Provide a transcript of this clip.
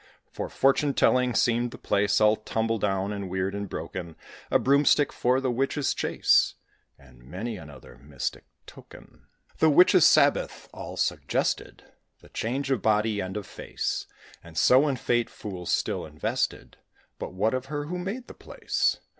For fortune telling seemed the place All tumble down, and weird, and broken: A broomstick, for the witches' chase, And many another mystic token; The witches' sabbath; all suggested The change of body, and of face; And so in Fate fools still invested. But what of her who made the place?